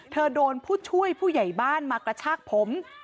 โดนผู้ช่วยผู้ใหญ่บ้านมากระชากผม